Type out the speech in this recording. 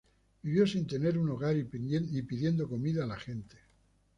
Vivió sin tener un hogar y pidiendo comida a la gente.